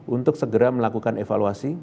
untuk segera melakukan evaluasi